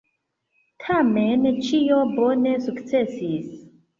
Tamen ĉio bone sukcesis.